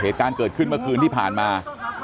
เหตุการณ์เกิดขึ้นเมื่อคืนที่ผ่านมา